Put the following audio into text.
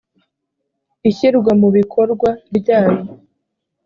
ishyirwa mu bikorwa ryayo